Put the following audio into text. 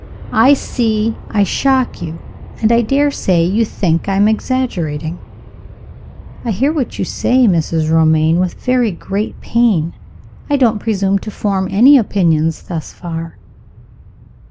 I see I shock you and I daresay you think I am exaggerating?" "I hear what you say, Mrs. Romayne, with very great pain I don't presume to form any opinion thus far."